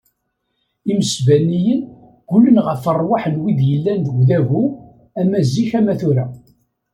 Imesbaniyen, ggulen ɣef ṛṛwaḥ n wid i yellan deg udabu ama zik ama tura.